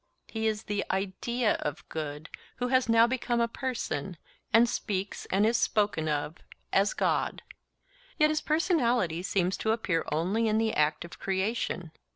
He is the IDEA of good who has now become a person, and speaks and is spoken of as God. Yet his personality seems to appear only in the act of creation.